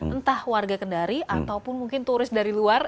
entah warga kendari ataupun mungkin turis dari luar